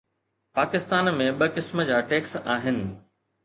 پاڪستان ۾ ٻه قسم جا ٽيڪس آهن.